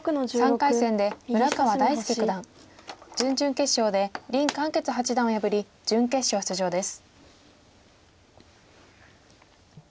３回戦で村川大介九段準々決勝で林漢傑八段を破り準決勝出場です。